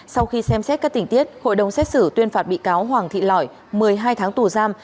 sau khi xem xét các tình tiết hội đồng xét xử tuyên phạt bị cáo hoàng thị lỏi một mươi hai tháng tù giam